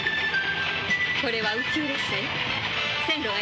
これは宇宙列車よ。